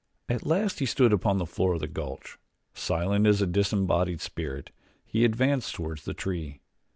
At last he stood upon the floor of the gulch. Silent as a disembodied spirit he advanced toward the tree.